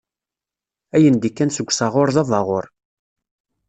Ayen d-ikkan seg usaɣuṛ d abaɣuṛ.